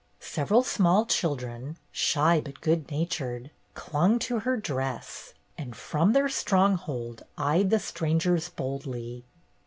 Several small children, shy but good natured, clung to her dress, and from their stronghold eyed the strangers boldly.